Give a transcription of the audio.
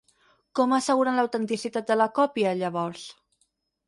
Com asseguren l'autenticitat de la còpia, llavors?